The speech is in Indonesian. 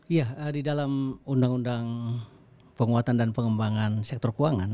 iya di dalam undang undang penguatan dan pengembangan sektor keuangan